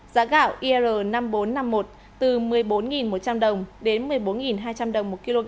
giá gạo ir năm mươi nghìn bốn trăm linh bốn ở mức một mươi ba chín trăm linh đến một mươi bốn đồng một kg